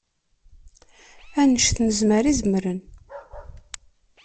Annect nezmer i zemren.